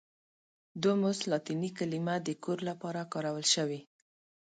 دوموس لاتیني کلمه د کور لپاره کارول شوې.